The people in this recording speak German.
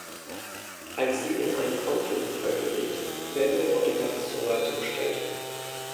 Als sie in einen Autounfall gerät, werden ihr Bodyguards zur Seite gestellt.